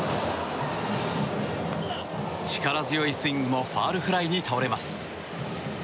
力強いスイングもファウルフライに倒れます。